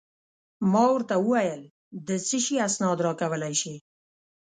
ما ورته وویل: د څه شي اسناد راکولای شې؟